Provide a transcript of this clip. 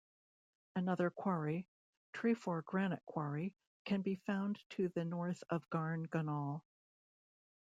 Another quarry, Trefor granite quarry, can be found to the north of Garn Ganol.